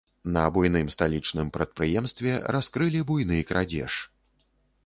На буйным сталічным прадпрыемстве раскрылі буйны крадзеж.